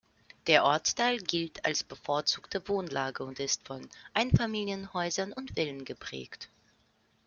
Der Ortsteil gilt als bevorzugte Wohnlage und ist von Einfamilienhäusern und Villen geprägt.